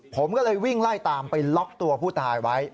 ผมก็เลยวิ่งไล่ตามไปล็อกตัวผู้ตายไว้